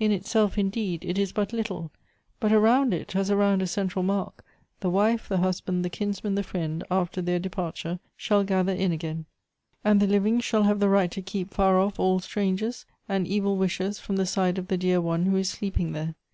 In itself, indeed, it is but little ; but around it, as around a central mark, the wife, the husband, the kinsman, the friend, after their departure, shall gather in again ; and the living shall have the right to keep far off all strangers, and evil wishers from the side of the dear one who is sleeping there.